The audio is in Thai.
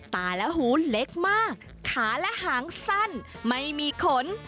ตาและหูเล็กมากขาและหางสั้นไม่มีขน